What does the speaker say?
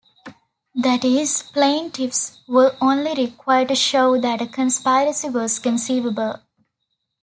That is, plaintiffs were only required to show that a conspiracy was conceivable.